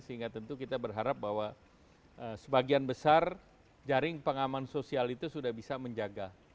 sehingga tentu kita berharap bahwa sebagian besar jaring pengaman sosial itu sudah bisa menjaga